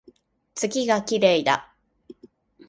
月が綺麗だ